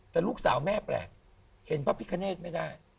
แต่ลูกสาวแม่แปลกเห็นพระพิคเนธไม่ได้